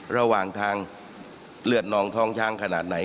ระหว่างทางเลือดนองท้องช้างขนาดไหน